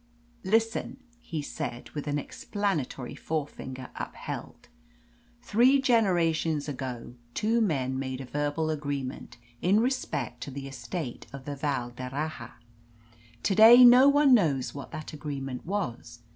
"Listen," he said, with an explanatory forefinger upheld. "Three generations ago two men made a verbal agreement in respect to the estate of the Val d'Erraha. To day no one knows what that agreement was.